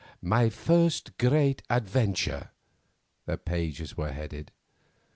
"My first great adventure," the pages were headed.